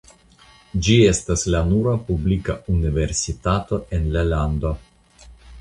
Ĝi estas la nura publika universitato en la lando.